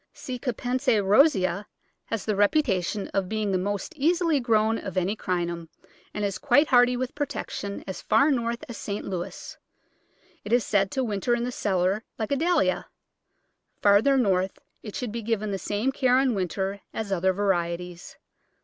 C. Capense rosea has the reputation of being the most easily grown of any Crinum, and is quite hardy with protection as far north as St. Louis. It is said to winter in the cellar like a Dahlia. Farther north it should be given the same care in winter as other varieties.